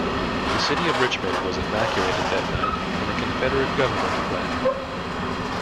The city of Richmond was evacuated that night, and the Confederate government fled.